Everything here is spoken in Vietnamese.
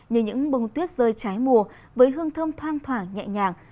như những bông tuyết rơi trái mùa với hương thơm thoang thoảng nhẹ nhàng